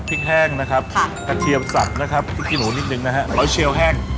พริกแห้งนะครับกระเทียมสับนะครับพริกกิโหลนิดนึงนะฮะรอยเชียวแห้ง